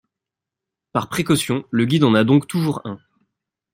Par précaution, le guide en a donc toujours un.